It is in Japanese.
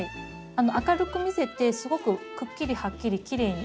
明るく見せてすごくくっきりはっきりきれいに。